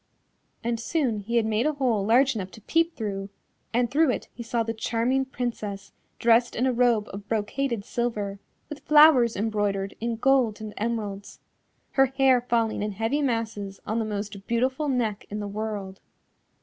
And soon he had made a hole large enough to peep through, and through it he saw the charming Princess dressed in a robe of brocaded silver, with flowers embroidered in gold and emeralds, her hair falling in heavy masses on the most beautiful neck in the world.